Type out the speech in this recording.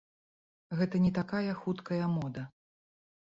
Гэта не такая хуткая мода.